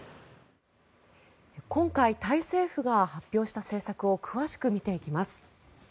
今回タイ政府が発表した政策を詳しく見ていきます。